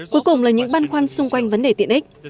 cuối cùng là những băn khoăn xung quanh vấn đề tiện ích